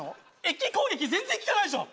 駅攻撃全然効かないでしょ